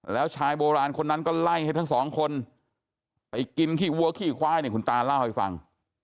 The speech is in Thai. แล้วชายโบราณคนนั้นก็ไล่ให้ทั้งสองคนไปกินขี้วัวขี้ควายเนี่ยคุณตาเล่าให้ฟัง